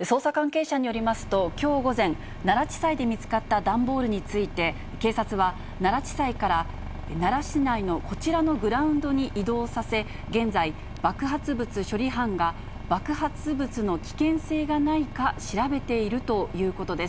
捜査関係者によりますと、きょう午前、奈良地裁で見つかった段ボールについて、警察は、奈良地裁から奈良市内のこちらのグラウンドに移動させ、現在、爆発物処理班が爆発物の危険性がないか調べているということです。